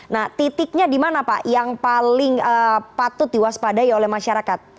nah titiknya di mana pak yang paling patut diwaspadai oleh masyarakat